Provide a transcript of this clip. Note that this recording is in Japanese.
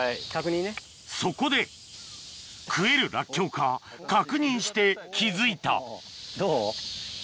そこで食えるらっきょうか確認して気付いたどう？